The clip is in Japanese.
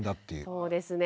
そうですね。